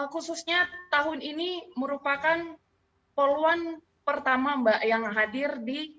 khususnya tahun ini merupakan poluan pertama mbak yang hadir di